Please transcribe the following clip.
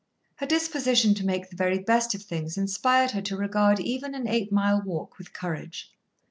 Her disposition to make the very best of things inspired her to regard even an eight mile walk with courage.